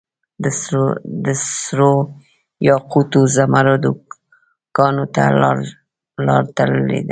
دسرو یاقوتو ، زمردو کان ته لار تللي ده